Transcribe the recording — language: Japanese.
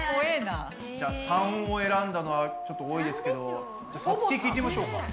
じゃ③を選んだのはちょっと多いですけどさつき聞いてみましょうか。